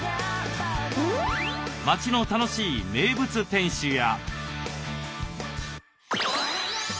街の楽しい名物店主や。